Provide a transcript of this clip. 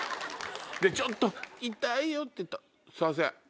でちょっと痛いよって言うと。